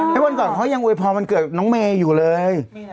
วันก่อนเขายังโวยพรวันเกิดน้องเมย์อยู่เลย